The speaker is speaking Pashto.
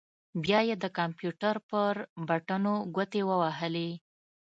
بيا يې د کمپيوټر پر بټنو ګوتې ووهلې.